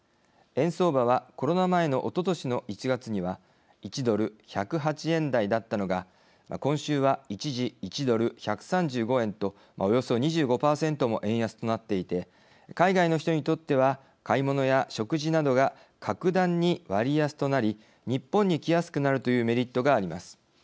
円相場はコロナ前のおととしの１月には１ドル１０８円台だったのが今週は一時、１ドル１３５円とおよそ２５％も円安となっていて海外の人にとっては買い物や食事などが格段に割安となり日本に来やすくなるというメリットがあります。